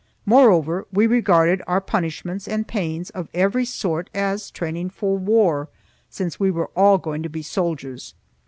Moreover, we regarded our punishments and pains of every sort as training for war, since we were all going to be soldiers.